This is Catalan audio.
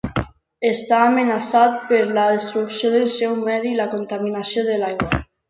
Està amenaçat per la destrucció del seu medi i la contaminació de l'aigua.